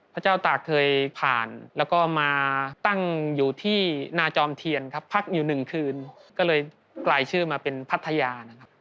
พระเจ้าตากเคยผ่านแล้วก็มาตั้งอยู่ที่นาจอมเทียนครับพักอยู่หนึ่งคืนก็เลยกลายชื่อมาเป็นพัทยานะครับ